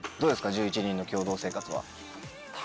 １１人の共同生活は。